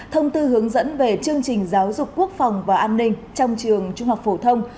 thông tư hướng dẫn về chương trình giáo dục quốc phòng và an ninh trong trường trung học phổ thông